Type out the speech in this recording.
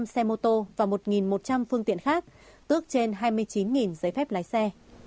bốn mươi bảy năm trăm linh xe ô tô và một một trăm linh phương tiện khác tước trên hai mươi chín giấy phép lái xe